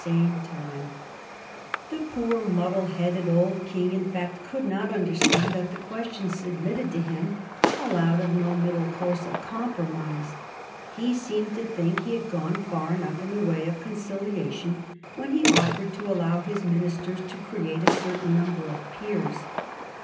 [Sidenote: 1832 The King seeks a Prime Minister] The poor muddled headed old King in fact could not understand that the question submitted to him allowed of no middle course of compromise. He seemed to think he had gone far enough in the way of conciliation when he offered to allow his ministers to create a certain number of peers.